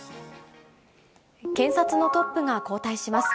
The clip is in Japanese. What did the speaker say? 検察のトップが交代します。